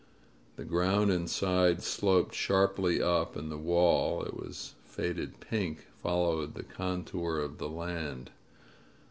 The ground inside sloped sharply up, and the wall — ^it was faded pink — followed the contour of the land.